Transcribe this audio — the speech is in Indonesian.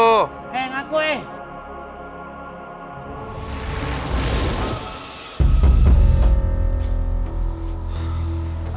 eh ngaku eh